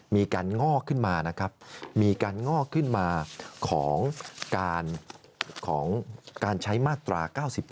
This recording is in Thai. มีการงอกขึ้นมาของการใช้มาตรา๙๒